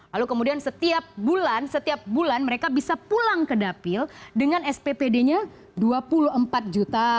lalu kemudian setiap bulan setiap bulan mereka bisa pulang ke dapil dengan sppd nya dua puluh empat juta